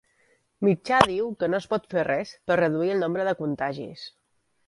Mitjà diu que no es pot fer res per reduir el nombre de contagis